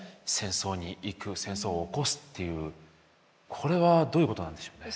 これはどういうことなんでしょうね。